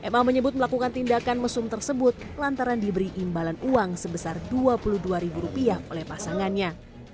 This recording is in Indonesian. ma menyebut melakukan tindakan mesum tersebut lantaran diberi imbalan uang sebesar dua puluh dua ribu rupiah oleh pasangannya